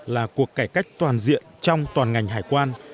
là cuộc cải cách toàn diện trong toàn ngành hải quan